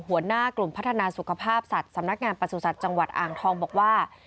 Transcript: หัวหน้ากลุ่มพัฒนาสุขภาพสัตว์สำนักงานประสุทธิ์จังหวัดอ่างทองบอกว่า